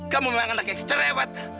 kamu memang anak yang kerewat